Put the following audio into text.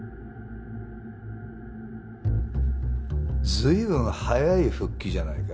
随分早い復帰じゃないか？